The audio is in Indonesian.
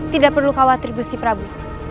tidak perlu khawatir prabu